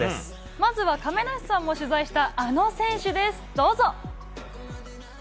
まずは亀梨さんも取材したあの選手です、どうぞ。